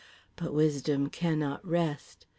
But wisdom cannot rest….